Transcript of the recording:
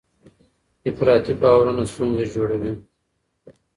افراطي باورونه ستونزې جوړوي.